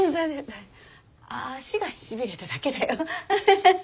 足がしびれただけだよハハハ。